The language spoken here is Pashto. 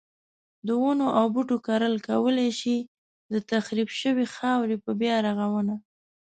د ونو او بوټو کرل کولای شي د تخریب شوی خاورې په بیا رغونه.